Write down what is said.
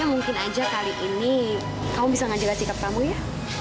ya mungkin aja kali ini kamu bisa ngejelasin kepadamu ya